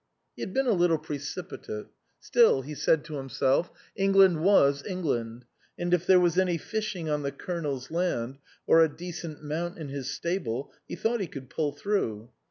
He had been a little precipitate. Still, he said to himself, England was England, and if there was any fishing on the Colonel's land, or a decent mount in his stables, he thought he could pull through.